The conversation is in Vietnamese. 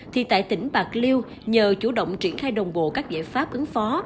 thì tại tỉnh bạc liêu nhờ chủ động triển khai đồng bộ các giải pháp ứng phó